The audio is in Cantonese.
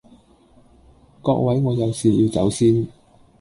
各位我有事要走先